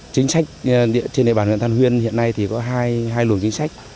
chính sách trên địa bàn huyện thanh huyên hiện nay có hai luồng chính sách